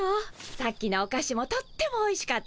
さっきのおかしもとってもおいしかったですよ